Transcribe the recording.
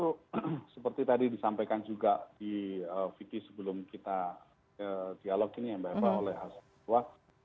itu seperti tadi disampaikan juga di vt sebelum kita dialog ini ya mbak eva oleh haswa